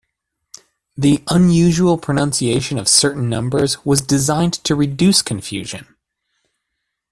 The unusual pronunciation of certain numbers was designed to reduce confusion.